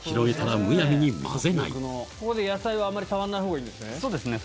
ここで野菜はあんまり触んないほうがいいんですね。